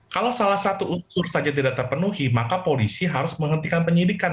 kalau salah satu unsur saja tidak terpenuhi maka polisi harus menghentikan penyidikan